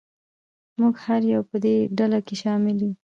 موږ هر یو په دې ډله کې شامل یو.